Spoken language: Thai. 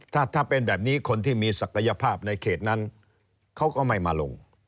ถ้าเป็นแบบนี้คนที่มีศักยภาพในเขตนั้นเขาก็ไม่มาลง